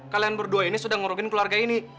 kalian berdua ini sudah ngurukin keluarga ini